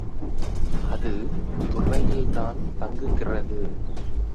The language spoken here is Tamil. அது துறையில்தான் தங்குகிறது.